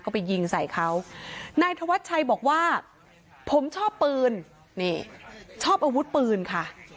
ก็ไปยิงใส่เขานายธวัชชัยบอกว่าผมชอบปืนนี่ชอบอาวุธปืนค่ะ